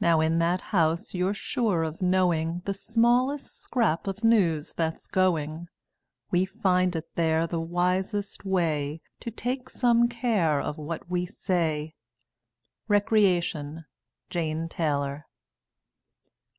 Now in that house you're sure of knowing The smallest scrap of news that's going. We find it there the wisest way To take some care of what we say. Recreation. JANE TAYLOR.